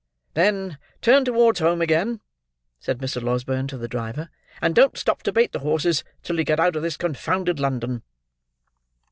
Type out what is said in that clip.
"Then turn towards home again," said Mr. Losberne to the driver; "and don't stop to bait the horses, till you get out of this confounded London!"